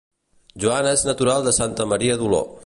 Juan és natural de Santa Maria d'Oló